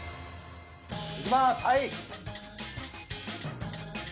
いきます！